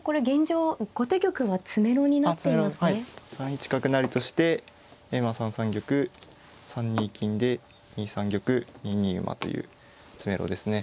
３一角成として３三玉３二金で２三玉２二馬という詰めろですね。